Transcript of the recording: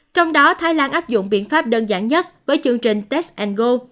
trong đó thái lan áp dụng biện pháp đơn giản nhất với chương trình test engo